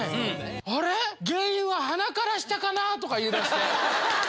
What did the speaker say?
あれ⁉原因は鼻から下かな？とか言い出して。